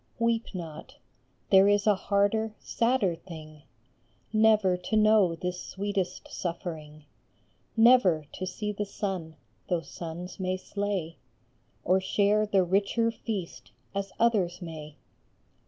Weep not ; there is a harder, sadder thing, Never to know this sweetest suffering ! Never to see the sun, though suns may slay, Or share the richer feast as others may.